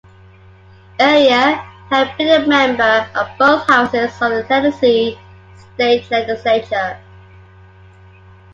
Earlier, he had been a member of both houses of the Tennessee State Legislature.